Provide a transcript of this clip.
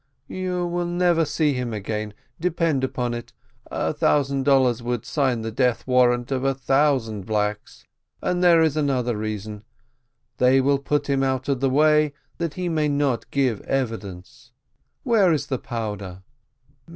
"You will never see him again, depend upon it. A thousand dollars would sign the death warrant of a thousand blacks; but there is another reason they will put him out of the way that he may not give evidence. Where is the powder?"